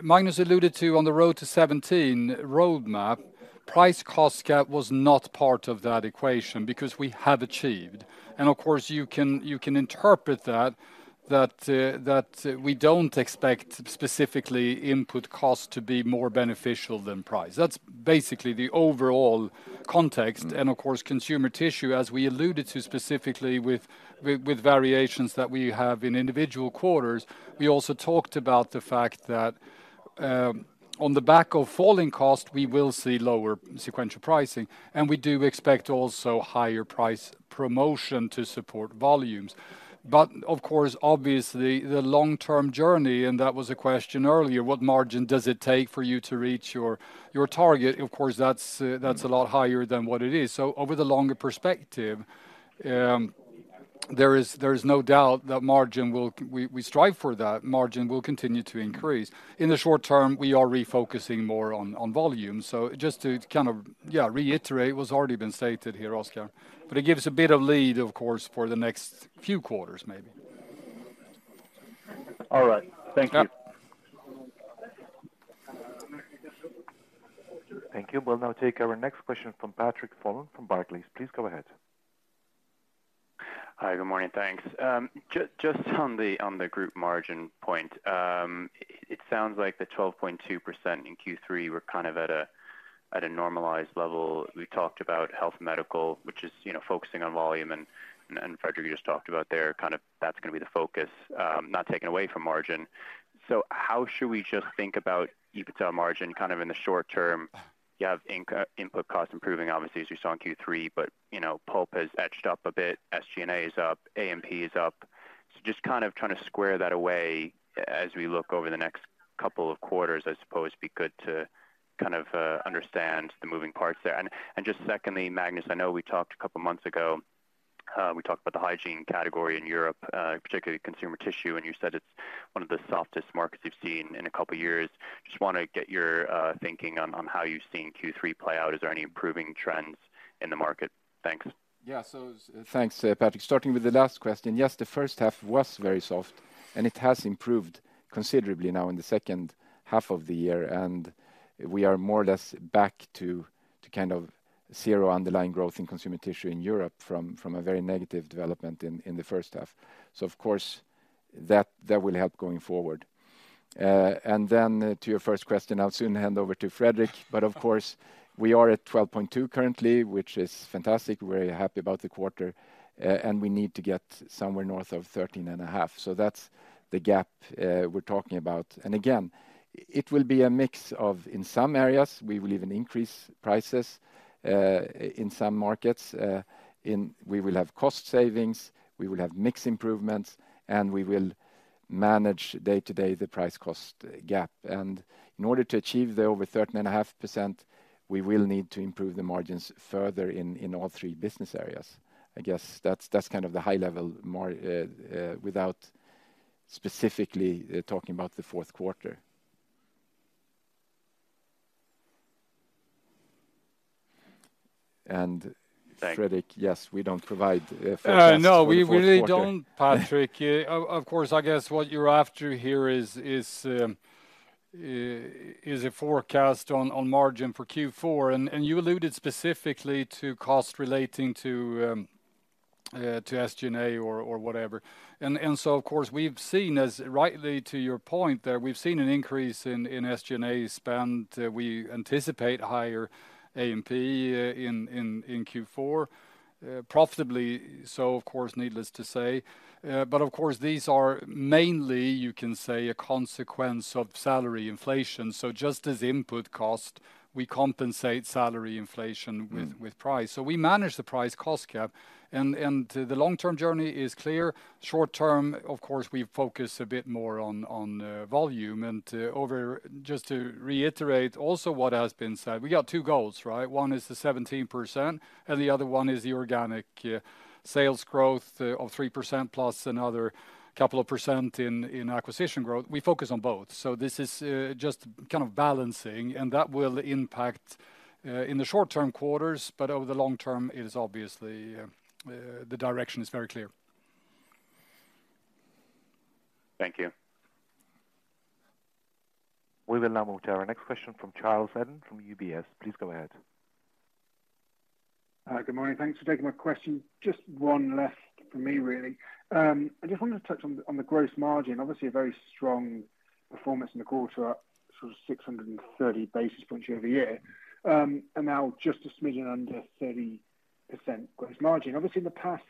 Magnus alluded to on the Road to 17 roadmap, price-cost gap was not part of that equation because we have achieved. And of course, you can interpret that we don't expect specifically input cost to be more beneficial than price. That's basically the overall context. Mm-hmm. And of course, Consumer Tissue, as we alluded to specifically with variations that we have in individual quarters, we also talked about the fact that, on the back of falling cost, we will see lower sequential pricing, and we do expect also higher price promotion to support volumes. But of course, obviously, the long-term journey, and that was a question earlier, what margin does it take for you to reach your target? Of course, that's a lot higher than what it is. So over the longer perspective, there is no doubt that we strive for that. Margin will continue to increase. In the short-term, we are refocusing more on volume. So just to kind of, yeah, reiterate what's already been stated here, Oskar, but it gives a bit of lead, of course, for the next few quarters, maybe. All right. Thank you. Yeah. Thank you. We'll now take our next question from Patrick Folan from Barclays. Please go ahead. Hi, good morning, thanks. Just on the group margin point, it sounds like the 12.2% in Q3 were kind of at a normalized level. We talked about health medical, which is, you know, focusing on volume, and Fredrik just talked about there, kind of that's gonna be the focus, not taking away from margin. So how should we just think about EBITA margin kind of in the short-term? You have input cost improving, obviously, as we saw in Q3, but, you know, pulp has edged up a bit, SG&A is up, A&P is up. So just kind of trying to square that away as we look over the next couple of quarters, I suppose it'd be good to kind of understand the moving parts there. Just secondly, Magnus, I know we talked a couple of months ago, we talked about the hygiene category in Europe, particularly Consumer Tissue, and you said it's one of the softest markets you've seen in a couple of years. Just want to get your thinking on how you've seen Q3 play out. Is there any improving trends in the market? Thanks. Yeah. So thanks, Patrick. Starting with the last question, yes, the first half was very soft, and it has improved considerably now in the second half of the year, and we are more or less back to kind of zero underlying growth in Consumer Tissue in Europe from a very negative development in the first half. So of course, that will help going forward. And then, to your first question, I'll soon hand over to Fredrik, but of course, we are at 12.2 currently, which is fantastic. We're very happy about the quarter, and we need to get somewhere north of 13.5. So that's the gap we're talking about. And again, it will be a mix of in some areas, we will even increase prices in some markets, in... We will have cost savings, we will have mix improvements, and we will manage day-to-day the price-cost gap. And in order to achieve the over 13.5%, we will need to improve the margins further in all three business areas. I guess that's, that's kind of the high level without specifically talking about the fourth quarter. Thanks. Fredrik, yes, we don't provide forecast for the fourth quarter. No, we really don't, Patrick. Of course, I guess what you're after here is a forecast on margin for Q4. And you alluded specifically to cost relating to SG&A or whatever. And so of course, we've seen, as rightly to your point, that we've seen an increase in SG&A spend. We anticipate higher A&P in Q4 profitably. So of course, needless to say, but of course, these are mainly, you can say, a consequence of salary inflation. So just as input cost, we compensate salary inflation- Mm with price. So we manage the price-cost gap, and the long-term journey is clear. Short-term, of course, we focus a bit more on volume and over... Just to reiterate also what has been said, we got two goals, right? One is the 17%, and the other one is the organic sales growth of 3% plus another couple of percent in acquisition growth. We focus on both. So this is just kind of balancing, and that will impact in the short-term quarters, but over the long-term, it is obviously the direction is very clear. Thank you. We will now move to our next question from Charles Eden from UBS. Please go ahead. Good morning. Thanks for taking my question. Just one left for me, really. I just wanted to touch on, on the gross margin. Obviously, a very strong performance in the quarter, up sort of 630 basis points year-over-year. And now just a smidgen under 30% gross margin. Obviously, in the past,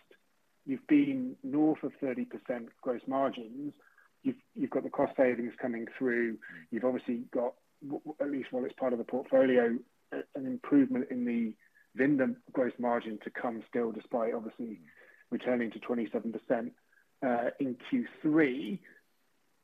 you've been north of 30% gross margins. You've got the cost savings coming through. You've obviously got, at least while it's part of the portfolio, an improvement in the Vinda gross margin to come still, despite obviously returning to 27%, in Q3.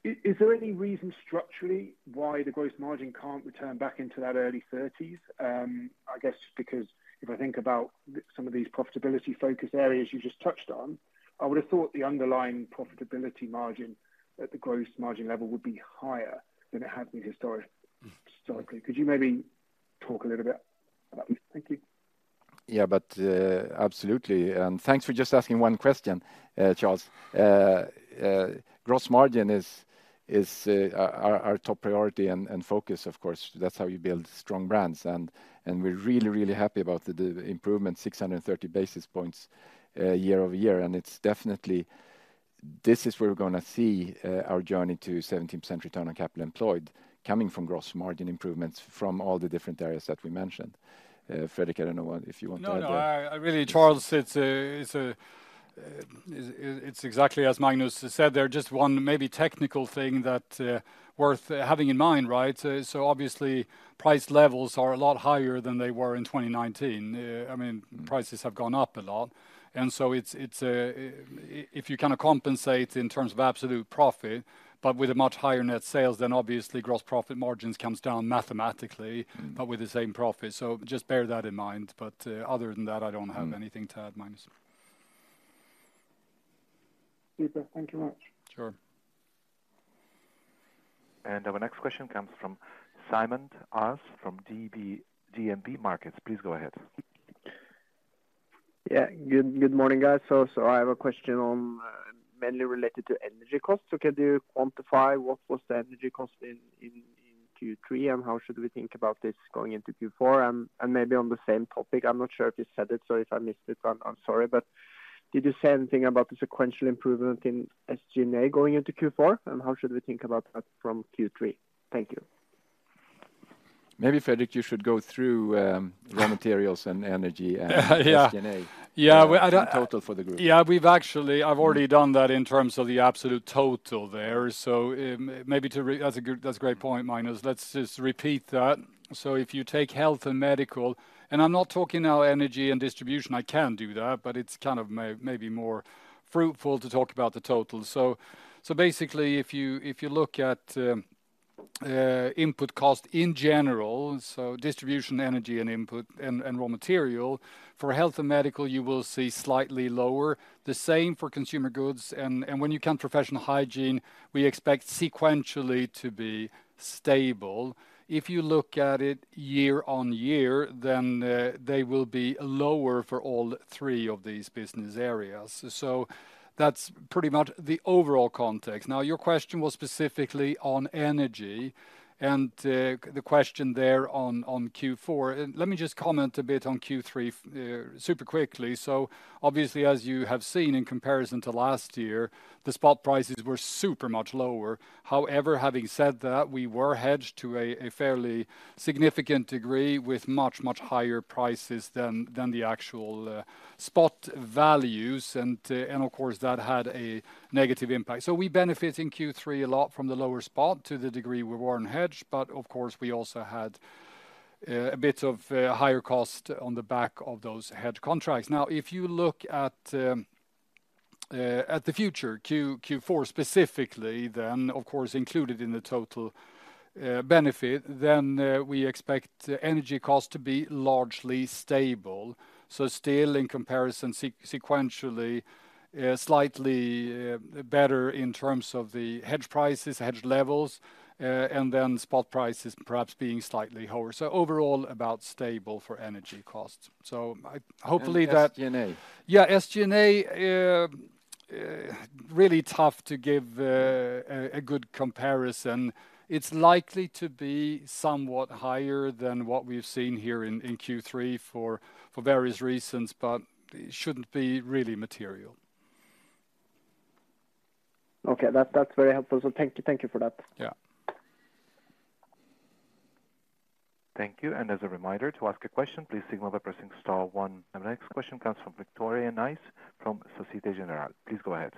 Is there any reason structurally why the gross margin can't return back into that early 30s? I guess because if I think about the some of these profitability focus areas you just touched on, I would have thought the underlying profitability margin at the gross margin level would be higher than it has been historically. Could you maybe talk a little bit about it? Thank you. Yeah, but, absolutely. Thanks for just asking one question, Charles. Gross margin is our top priority and focus, of course, that's how you build strong brands. And we're really happy about the improvement, 630 basis points, year-over-year. And it's definitely... This is where we're gonna see our journey to 17% return on capital employed, coming from gross margin improvements from all the different areas that we mentioned. Fredrik, I don't know what if you want to add. No, no. I really, Charles, it's exactly as Magnus has said there. Just one maybe technical thing that's worth having in mind, right? So, obviously, price levels are a lot higher than they were in 2019. I mean- Mm. Prices have gone up a lot. And so it's, it's a, if you kinda compensate in terms of absolute profit, but with a much higher net sales, then obviously, gross profit margins comes down mathematically- Mm but with the same profit. So just bear that in mind. But, other than that, I don't have anything to add, Magnus. Super. Thank you much. Sure. Our next question comes from Simen Aas, from DNB Markets. Please go ahead. Yeah, good morning, guys. So I have a question on, mainly related to energy costs. So can you quantify what was the energy cost in Q3, and how should we think about this going into Q4? And maybe on the same topic, I'm not sure if you said it, so if I missed it, I'm sorry, but did you say anything about the sequential improvement in SG&A going into Q4? And how should we think about that from Q3? Thank you. Maybe, Fredrik, you should go through raw materials and energy and SG&A. Yeah. Yeah, well, I don- Total for the group. Yeah, we've actually... I've already done that in terms of the absolute total there. So, maybe That's a good, that's a great point, Magnus. Let's just repeat that. So if you take Health & Medical, and I'm not talking now energy and distribution, I can do that, but it's kind of maybe more fruitful to talk about the total. So, so basically, if you, if you look at, input cost in general, so distribution, energy, and input, and, and raw material, for Health & Medical, you will see slightly lower. The same for Consumer Goods, and, and when you count Professional Hygiene, we expect sequentially to be stable. If you look at it year on year, then, they will be lower for all three of these business areas. So that's pretty much the overall context. Now, your question was specifically on energy, and the question there on Q4. Let me just comment a bit on Q3, super quickly. So obviously, as you have seen in comparison to last year, the spot prices were super much lower. However, having said that, we were hedged to a fairly significant degree with much, much higher prices than the actual spot values, and of course, that had a negative impact. So we benefit in Q3 a lot from the lower spot to the degree we were unhedged, but of course, we also had a bit of higher cost on the back of those hedge contracts. Now, if you look at the future, Q4 specifically, then of course, included in the total benefit, then we expect energy cost to be largely stable. So still in comparison, sequentially, slightly better in terms of the hedge prices, hedge levels, and then spot prices perhaps being slightly lower. So overall, about stable for energy costs. So I... Hopefully, that- And SG&A. Yeah, SG&A, really tough to give a good comparison. It's likely to be somewhat higher than what we've seen here in Q3 for various reasons, but it shouldn't be really material. Okay. That, that's very helpful. So thank you, thank you for that. Yeah. Thank you. As a reminder, to ask a question, please signal by pressing star one. Our next question comes from Victoria Nice from Société Générale. Please go ahead.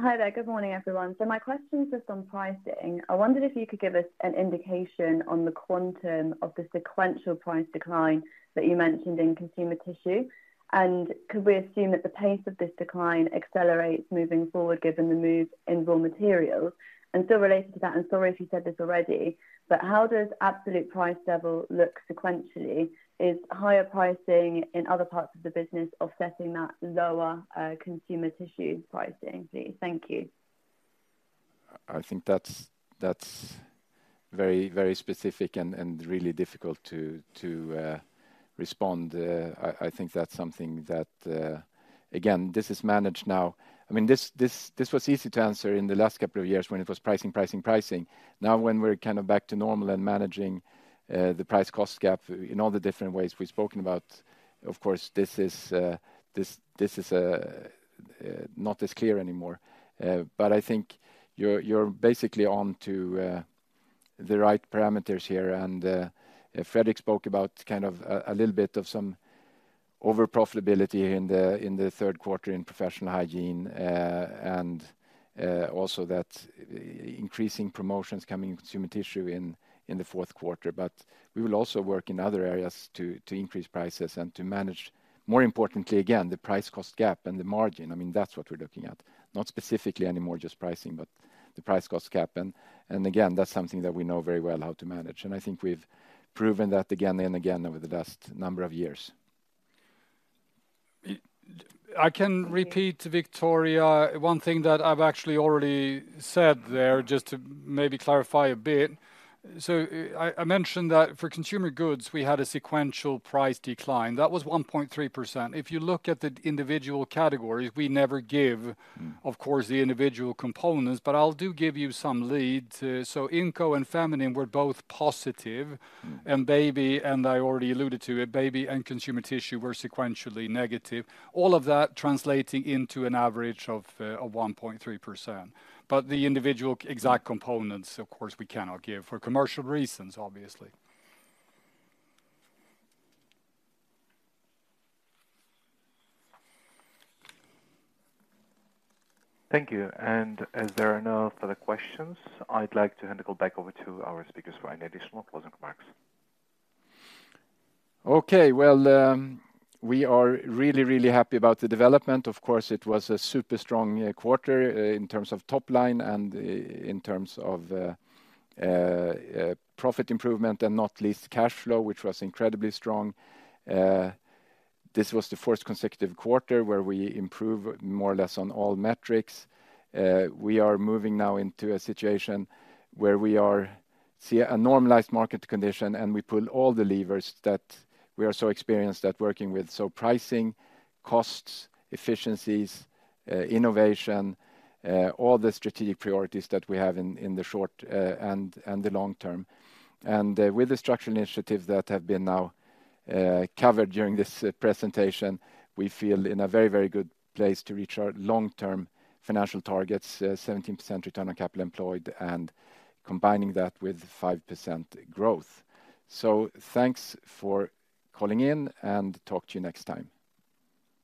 Hi there. Good morning, everyone. So my question is on pricing. I wondered if you could give us an indication on the quantum of the sequential price decline that you mentioned in Consumer Tissue. And could we assume that the pace of this decline accelerates moving forward, given the move in raw materials? And still related to that, and sorry if you said this already, but how does absolute price level look sequentially? Is higher pricing in other parts of the business offsetting that lower, Consumer Tissue pricing, please? Thank you. I think that's very specific and really difficult to respond. I think that's something that again, this is managed now. I mean, this was easy to answer in the last couple of years when it was pricing, pricing, pricing. Now, when we're kind of back to normal and managing the price-cost gap in all the different ways we've spoken about, of course, this is not as clear anymore. But I think you're basically on to the right parameters here. And Fredrik spoke about kind of a little bit of some over-profitability in the third quarter in Professional Hygiene, and also that increasing promotions coming in Consumer Tissue in the fourth quarter. But we will also work in other areas to increase prices and to manage, more importantly, again, the price-cost gap and the margin. I mean, that's what we're looking at, not specifically anymore, just pricing, but the price-cost gap. And again, that's something that we know very well how to manage, and I think we've proven that again and again over the last number of years. I can repeat to Victoria one thing that I've actually already said there, just to maybe clarify a bit. So I, I mentioned that for Consumer Goods, we had a sequential price decline. That was 1.3%. If you look at the individual categories, we never give- Mm of course, the individual components, but I'll do give you some leads. So Inco and Feminine were both positive- Mm - and Baby, and I already alluded to it, Baby and Consumer Tissue were sequentially negative. All of that translating into an average of 1.3%. But the individual exact components, of course, we cannot give for commercial reasons, obviously. Thank you. As there are no further questions, I'd like to hand the call back over to our speakers for any additional closing remarks. Okay. Well, we are really, really happy about the development. Of course, it was a super strong quarter in terms of top line and in terms of profit improvement, and not least cash flow, which was incredibly strong. This was the first consecutive quarter where we improve more or less on all metrics. We are moving now into a situation where we are see a normalized market condition, and we pull all the levers that we are so experienced at working with. So pricing, costs, efficiencies, innovation, all the strategic priorities that we have in the short and the long-term. With the structural initiatives that have been now covered during this presentation, we feel in a very, very good place to reach our long-term financial targets, 17% return on capital employed, and combining that with 5% growth. So thanks for calling in, and talk to you next time.